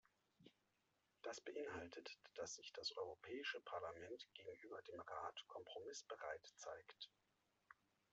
Das beinhaltet, dass sich das Europäische Parlament gegenüber dem Rat kompromissbereit zeigt.